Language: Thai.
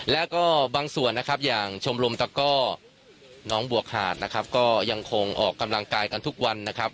แล้วก็บางส่วนนะครับอย่างชมรมตะก้อน้องบวกหาดนะครับก็ยังคงออกกำลังกายกันทุกวันนะครับ